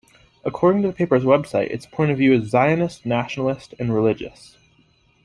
According to the paper's website, its point of view is Zionist, nationalist and religious.